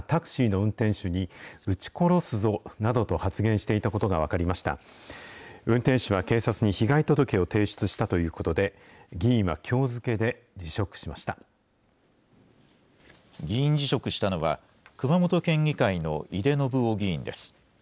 運転手は警察に被害届を提出したということで、議員辞職したのは、熊本県議会の井手順雄議員です。